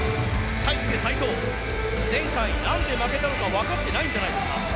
対して斎藤前回、何で負けたのか分かっていないんじゃないですか。